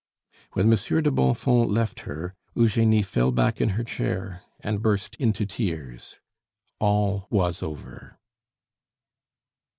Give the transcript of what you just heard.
When Monsieur de Bonfons left her, Eugenie fell back in her chair and burst into tears. All was over.